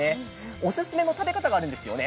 オススメの食べ方があるんですよね？